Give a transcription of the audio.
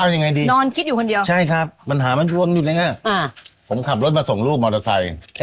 เอาอย่างไรดีใช่ครับปัญหาไม่ร่วงอยู่ในง่ายผมขับรถมาส่งลูกมอเตอร์ไซค์